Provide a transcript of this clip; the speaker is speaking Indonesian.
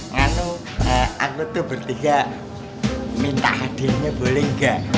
nganu aku tuh bertiga minta hadiahnya boleh enggak